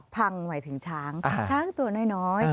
หมายถึงช้างช้างตัวน้อย